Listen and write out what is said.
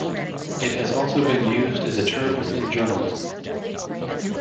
It has also been used as a term within journalism.